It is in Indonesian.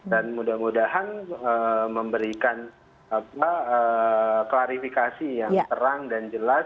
dan mudah mudahan memberikan klarifikasi yang terang dan jelas